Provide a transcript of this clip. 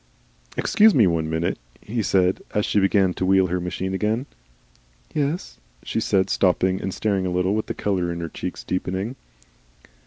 "Excuse me, one minute," he said, as she began to wheel her machine again. "Yes?" she said, stopping and staring a little, with the colour in her cheeks deepening.